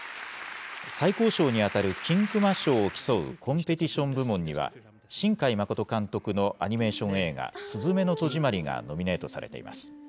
最高賞に当たる金熊賞を競うコンペティション部門には、新海誠監督のアニメーション映画、すずめの戸締まりがノミネートされています。